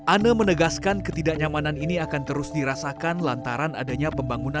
ane menegaskan ketidaknyamanan ini akan terus dirasakan lantaran adanya pembangunan